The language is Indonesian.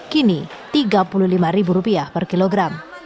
kini tiga puluh lima ribu rupiah per kilogram